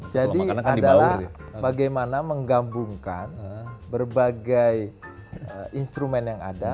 adalah bagaimana menggabungkan berbagai instrumen yang ada